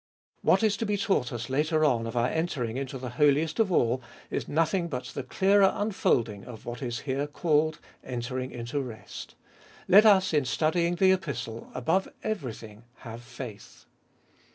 What is to be taught us later on of our entering into the Holiest of All is nothing but the clearer unfolding of what is here called entering into rest. Let us in studying the Epistle above everything have faith.